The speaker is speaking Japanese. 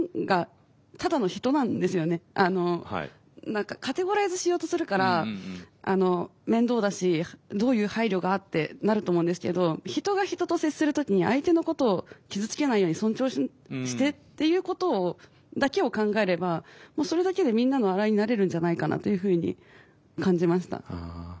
何かカテゴライズしようとするから面倒だしどういう配慮がってなると思うんですけど人が人と接する時に相手のことを傷つけないように尊重してっていうことだけを考えればそれだけでみんなのアライになれるんじゃないかなというふうに感じました。